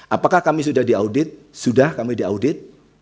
apakah kami sudah diaudit sudah kami diaudit